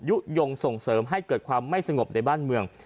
ยุโยงส่งเสริมให้เกิดความไม่สงบในบ้านเมือง